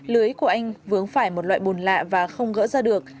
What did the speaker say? lưới của anh vướng phải một loại bùn lạ và không gỡ ra được